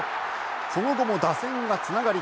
その後も打線がつながり